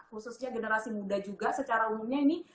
khususnya generasi muda juga secara umumnya ini